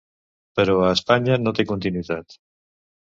Però a Espanya no té continuïtat.